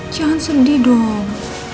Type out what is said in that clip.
jangan sedih dong